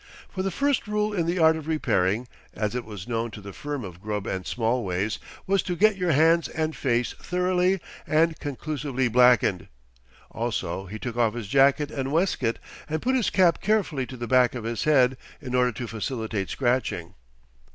For the first rule in the art of repairing, as it was known to the firm of Grubb and Smallways, was to get your hands and face thoroughly and conclusively blackened. Also he took off his jacket and waistcoat and put his cap carefully to the back of his head in order to facilitate scratching.